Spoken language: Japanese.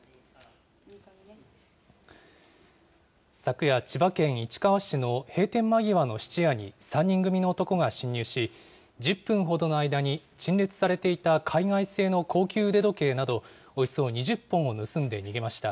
昨夜、千葉県市川市の閉店間際の質屋に３人組の男が侵入し、１０分ほどの間に陳列されていた海外製の高級腕時計などおよそ２０本を盗んで逃げました。